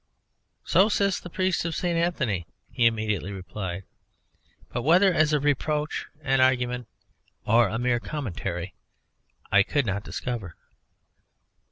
"So says the priest of St. Anthony," he immediately replied but whether as a reproach, an argument, or a mere commentary I could not discover.